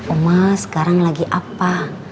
oma sekarang lagi apa